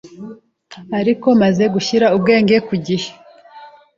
ariko maze gushyira ubwenge ku gihe